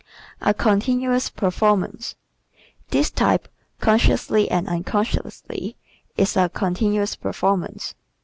A Continuous Performance ¶ This type, consciously and unconsciously, is a "continuous performance."